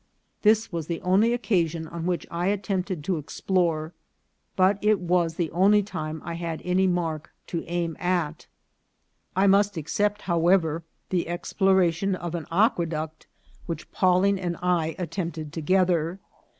This was the only occa sion on which I attempted to explore, for it was the only time I had any mark to aim at. I must except, however, the exploration of an aque duct which Pawling and I attempted together.